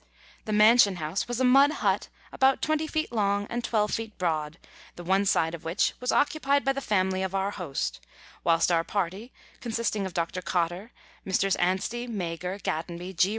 The Mansion House was a mud hut about 20 feet long and 12 feet broad, the one side of which was occupied by the family of our host, whilst our party, consisting of Dr. Cotter, Messrs. Anstey, Mager, Gatenby, G.